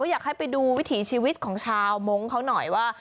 อยากให้ไปดูวิถีชีวิตของชาวมงค์เขาหน่อยว่า